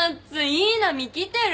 いい波来てる！